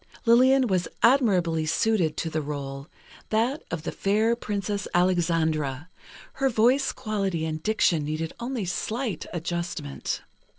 Lillian was admirably suited to the rôle, that of the fair Princess Alexandra, her voice quality and diction needed only slight adjustment.